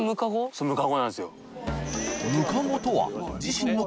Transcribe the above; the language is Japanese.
そうむかごなんですよ。